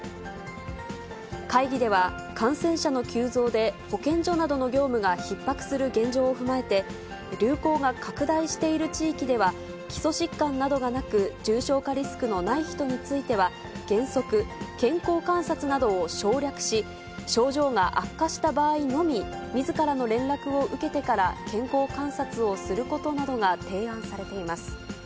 会議では、感染者の急増で保健所などの業務がひっ迫する現状を踏まえて、流行が拡大している地域では、基礎疾患などがなく、重症化リスクのない人については、原則、健康観察などを省略し、症状が悪化した場合のみ、みずからの連絡を受けてから健康観察をすることなどが提案されています。